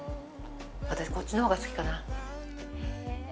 私、こっちのほうが好きかな。